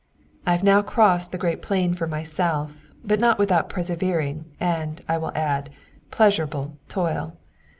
I have now crossed the great plain for myself, but not without persevering, and, I will add, pleasurable, toil.